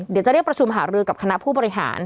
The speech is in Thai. เดี๋ยวจะเรียกประชุมหารือกับคณะผู้บริหาร